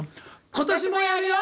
「今年もやるよ！